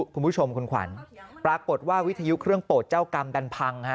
คุณผู้ชมคุณขวัญปรากฏว่าวิทยุเครื่องโปรดเจ้ากรรมดันพังฮะ